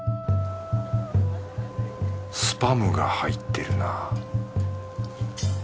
スパムが入ってるな